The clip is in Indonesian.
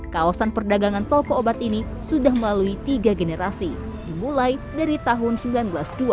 kawasan perdagangan toko obat ini sudah melalui tiga generasi dimulai dari tahun seribu sembilan ratus dua belas